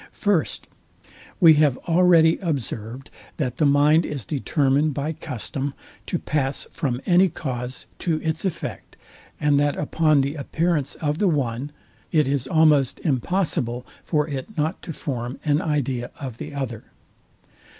First, We have already observed, that the mind is determined by custom to pass from any cause to its effect, and that upon the appearance of the one, it is almost impossible for it not to form an idea of the other.